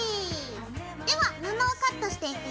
では布をカットしていくよ。